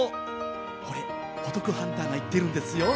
これお得ハンターが行ってるんですよ。